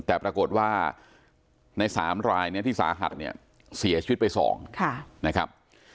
แต่ปรากฏว่าใน๓รายเนี่ยที่สาหัสเนี่ยเสียชีวิตไป๒นะครับ